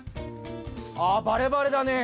あバレバレだね。